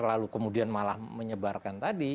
lalu kemudian malah menyebarkan tadi